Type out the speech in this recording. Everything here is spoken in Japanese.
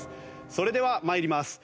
それでは参ります。